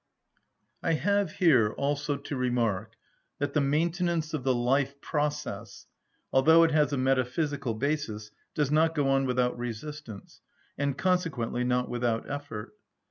I have here also to remark that the maintenance of the life process, although it has a metaphysical basis, does not go on without resistance, and consequently not without effort.